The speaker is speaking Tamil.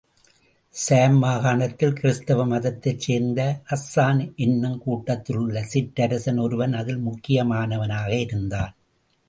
ஷாம் மாகாணத்தில் கிறிஸ்துவ மதத்தைச் சேர்ந்த கஸ்ஸான் என்னும் கூட்டத்திலுள்ள சிறறரசன் ஒருவன் அதில் முக்கியமானவனாக இருந்தான்.